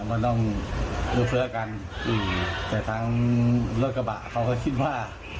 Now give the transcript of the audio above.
มันต้องลื้อเฟื้อกันอืมแต่ทางรถกระบะเขาก็คิดว่า